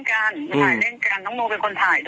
ดูได้แต่รูปอย่างเดียว